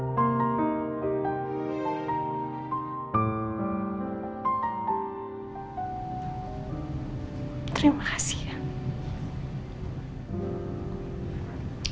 kamu selalu jadi anak manis mama